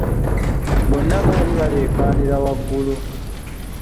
Bonna baali baleekaanira waggulu.